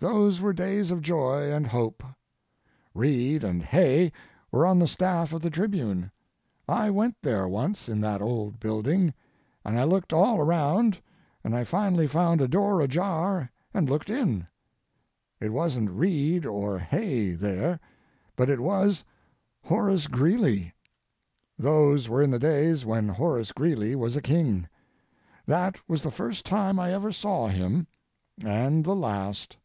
Those were days of joy and hope. Reid and Hay were on the staff of the Tribune. I went there once in that old building, and I looked all around and I finally found a door ajar and looked in. It wasn't Reid or Hay there, but it was Horace Greeley. Those were in the days when Horace Greeley was a king. That was the first time I ever saw him and the last.